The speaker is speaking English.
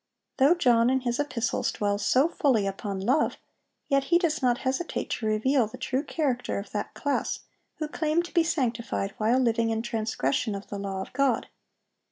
(810) Though John in his epistles dwells so fully upon love, yet he does not hesitate to reveal the true character of that class who claim to be sanctified while living in transgression of the law of God.